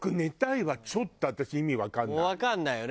わかんないよね。